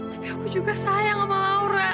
tapi aku juga sayang sama laura